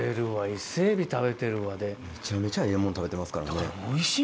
めちゃめちゃええもん食べてますからね。